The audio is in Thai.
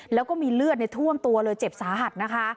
แล้วก็มีเลือดท่วมตัวเลยเจ็บสาหัสนะคะ